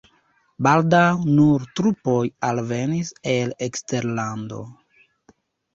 Baldaŭ nur trupoj alvenis el eksterlando.